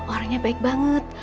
orangnya baik banget